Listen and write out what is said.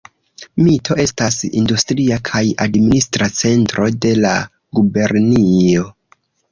Mito estas industria kaj administra centro de la gubernio.